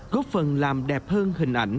góp phần làm đẹp hơn hình ảnh